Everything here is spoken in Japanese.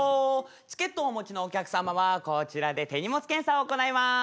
チケットをお持ちのお客様はこちらで手荷物検査を行います。